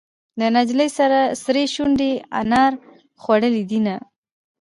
د نجلۍ سرې شونډې انار خوړلې دينهه.